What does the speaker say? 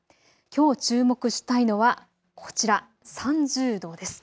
きょう注目したいのはこちら３０度です。